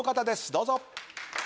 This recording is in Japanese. どうぞ。